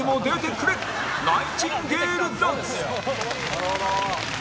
なるほど。